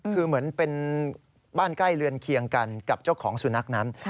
คือเหมือนเป็นบ้านใกล้เรือนเคียงกันกับเจ้าของสุนัขนั้น